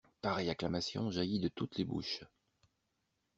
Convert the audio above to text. Pareille acclamation jaillit de toutes les bouches.